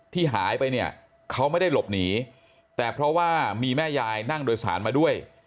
ที่หายไปเนี่ยเขาไม่ได้หลบหนีแต่เพราะว่ามีแม่ยายนั่งโดยสารมาด้วย